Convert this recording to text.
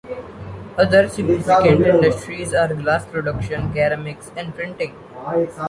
Other significant industries are glass production, ceramics and printing.